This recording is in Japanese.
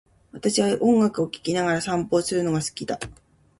私は音楽を聴きながらお散歩をするのが好きだ。